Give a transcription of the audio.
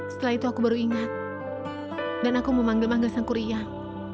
setelah itu aku baru ingat dan aku memanggil manggil sangkuriang